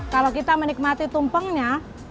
kalau kita menikmati tumpengnya